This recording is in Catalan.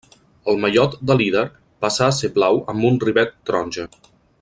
El mallot de líder passà a ser blau amb un rivet taronja.